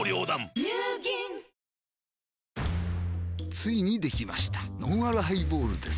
ついにできましたのんあるハイボールです